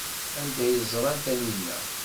Anda ay ẓran Taninna?